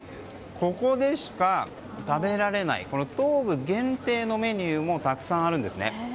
これ以外にもここでしか食べられない東武限定のメニューもたくさんあるんですね。